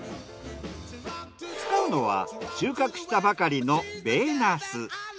使うのは収穫したばかりの米ナス。